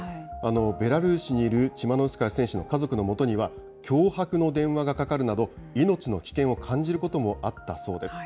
ベラルーシにいるチマノウスカヤ選手の家族のもとには、脅迫の電話がかかるなど、命の危険を感じることもあったそうです。